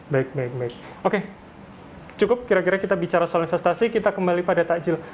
baik baik baik oke cukup kira kira kita bicara soal investasi kita kembali pada takjil